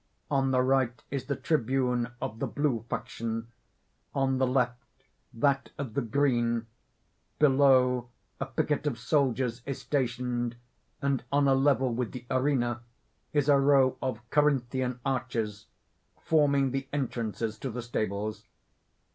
On the right is the tribune of the Blue Faction; on the left, that of the Green; below, a picket of soldiers is stationed; and on a level with the arena is a row of Corinthian arches, forming the entrances to the stables.